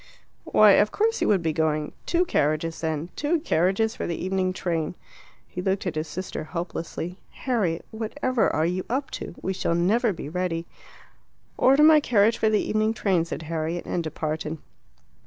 "Why, of course you would be going. Two carriages, then. Two carriages for the evening train." He looked at his sister hopelessly. "Harriet, whatever are you up to? We shall never be ready." "Order my carriage for the evening train," said Harriet, and departed.